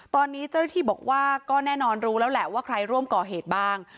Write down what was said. ตอนนี้เจ้าหน้าที่บอกว่าก็แน่นอนรู้แล้วแหละว่าใครร่วมก่อเหตุบ้าง